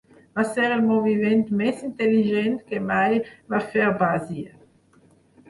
Va ser el moviment més intel·ligent que mai va fer Basie.